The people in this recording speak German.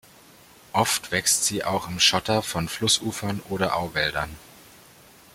Oft wächst sie auch im Schotter von Flussufern oder Auwäldern.